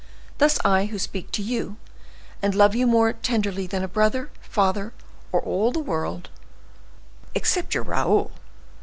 Thus I, who speak to you, and love you more tenderly than brother, father, or all the world—" "Except your Raoul?"